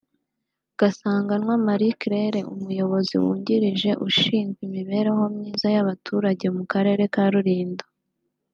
Gasanganwa Marie Claire umuyobozi wungirije ushinzwe imibereho myiza y’abaturage mu Karere ka Rulindo